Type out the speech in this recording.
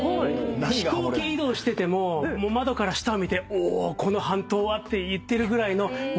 飛行機移動してても窓から下を見て「おこの半島は」って言ってるぐらいの日本地理